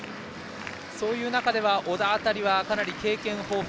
そういう中で小田辺りは経験豊富。